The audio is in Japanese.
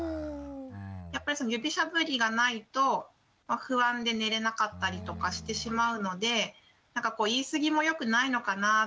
やっぱり指しゃぶりがないと不安で眠れなかったりとかしてしまうのでなんか言い過ぎもよくないのかなって。